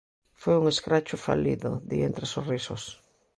Foi un escracho "falido", di entre sorrisos.